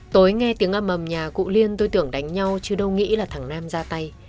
tối nghe tiếng âm mầm nhà cụ liên tôi tưởng đánh nhau chứ đâu nghĩ là thẳng nam ra tay